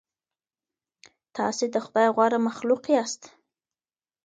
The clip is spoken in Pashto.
تاسې د خدای غوره مخلوق یاست.